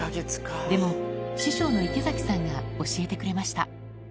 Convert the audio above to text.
でも、師匠の池崎さんが教えてくれました。